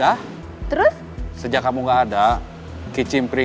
bam verstehen kayak pribadi